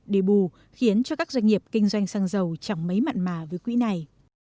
để bù khiến cho các doanh nghiệp kinh doanh xăng dầu chẳng mấy mặn mà với quỹ này